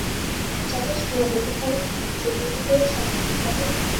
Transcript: জানিস ওরা নিলুফারের মতো যুবতীদের সাথে কী করে?